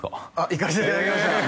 行かせていただきましたへえ